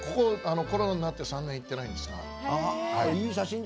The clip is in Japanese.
１年に１回コロナになって３年行ってないですが。